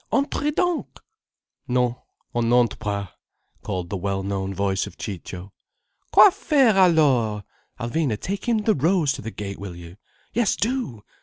Entrez donc!" "Non. On n'entre pas—" called the well known voice of Ciccio. "Quoi faire, alors! Alvina, take him the rose to the gate, will you? Yes do!